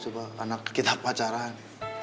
karena kita pacaran